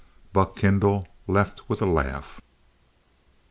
'" Buck Kendall left with a laugh.